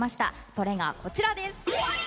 それがこちらです。